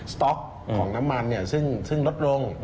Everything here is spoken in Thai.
สต๊อกของน้ำมันซึ่งลดลง